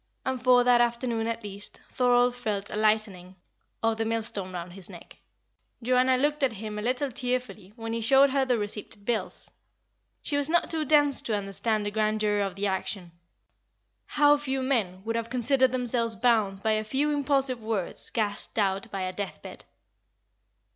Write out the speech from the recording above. And for that afternoon at least Thorold felt a lightening of the millstone round his neck. Joanna looked at him a little tearfully when he showed her the receipted bills. She was not too dense to understand the grandeur of the action. How few men would have considered themselves bound by a few impulsive words gasped out by a death bed!